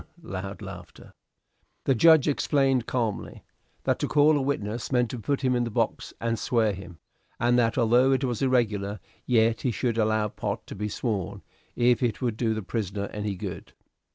(Loud laughter.) The judge explained, calmly, that to call a witness meant to put him in the box and swear him, and that although it was irregular, yet he should allow Pott to be sworn, if it would do the prisoner any good.